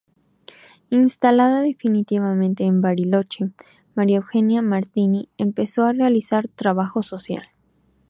Instalada definitivamente en Bariloche, María Eugenia Martini empezó a realizar trabajo social.